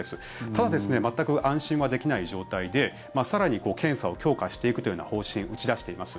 ただ、全く安心はできない状態で更に検査を強化していくというような方針を打ち出しています。